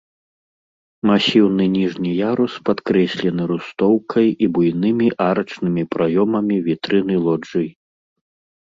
Масіўны ніжні ярус падкрэслены рустоўкай і буйнымі арачнымі праёмамі вітрын і лоджый.